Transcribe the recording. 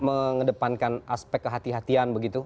mengedepankan aspek kehatian kehatian begitu